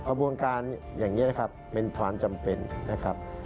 กระบวนการอย่างนี้นะครับเป็นความจำเป็นนะครับ